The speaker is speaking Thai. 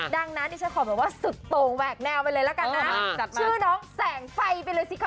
ดังนั้นดิฉันขอแบบว่าสุดโต่งแหวกแนวไปเลยละกันนะชื่อน้องแสงไฟไปเลยสิคะ